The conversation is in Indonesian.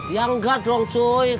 ya enggak dong cuy